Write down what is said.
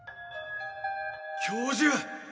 教授！